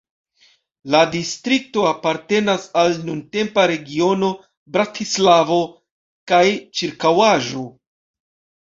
La distrikto apartenas al nuntempa regiono Bratislavo kaj ĉirkaŭaĵo.